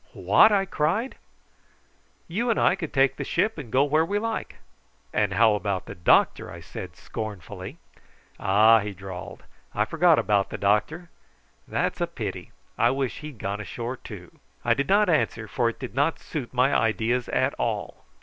"What!" I cried. "You and I could take the ship and go where we like." "And how about the doctor?" I said scornfully. "Ah!" he drawled, "I forgot about the doctor. That's a pity. I wish he'd gone ashore too." I did not answer, for it did not suit my ideas at all.